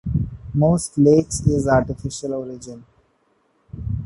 Most Lakes is artificial origin.